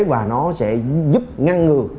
và nó sẽ giúp ngăn ngược